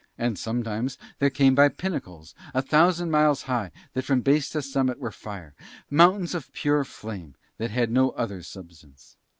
And sometimes there came by pinnacles a thousand miles high that from base to summit were fire, mountains of pure flame that had no other substance.